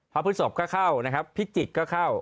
พฤศพก็เข้านะครับพิจิกก็เข้า